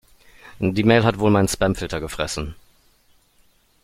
Die Mail hat wohl mein Spamfilter gefressen.